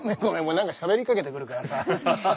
何かしゃべりかけてくるからさ。